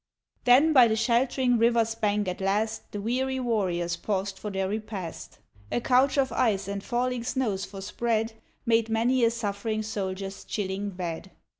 Then, by the shelt'ring river's bank at last, The weary warriors paused for their repast. A couch of ice and falling snows for spread Made many a suffering soldier's chilling bed.